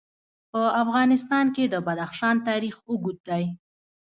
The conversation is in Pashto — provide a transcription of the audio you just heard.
په افغانستان کې د بدخشان تاریخ اوږد دی.